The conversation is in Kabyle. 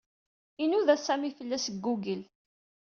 Inuda Sami fell-as deg Google.